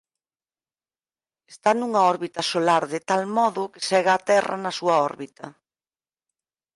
Está nunha órbita solar de tal modo que segue á Terra na súa órbita.